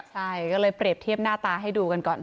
ใช่ก็เลยเปรียบเทียบหน้าตาให้ดูกันก่อน